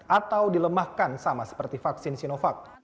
atau dilemahkan sama seperti vaksin sinovac